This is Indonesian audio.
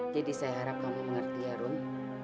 jadi saya harap kamu mengerti harun